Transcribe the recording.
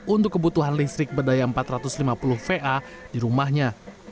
untuk kebutuhan listrik berdaya empat ratus lima puluh va di rumahnya